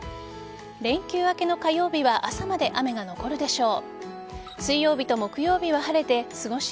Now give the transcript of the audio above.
連休明けの火曜日は朝まで雨が残るでしょう。